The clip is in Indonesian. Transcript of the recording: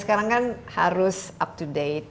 sekarang kan harus up to date